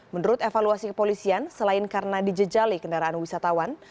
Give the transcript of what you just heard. menurut evaluasi kepolisian selain karena dijejali kendaraan wisatawan